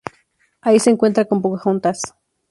Ahí se encuentra con Pocahontas.